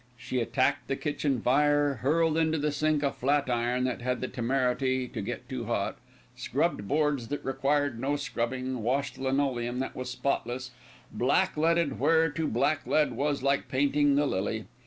She attacked the kitchen fire, hurled into the sink a flat iron that had the temerity to get too hot, scrubbed boards that required no scrubbing, washed linoleum that was spotless, blackleaded where to blacklead was like painting the lily.